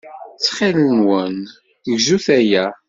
Ttxil-wen, gzut aya.